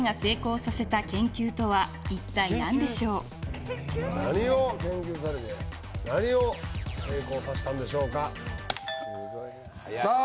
何だよ何を研究されて何を成功させたんでしょうかさあ